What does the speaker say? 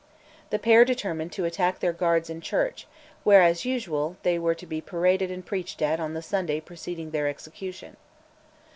The pair determined to attack their guards in church, where, as usual, they were to be paraded and preached at on the Sunday preceding their execution.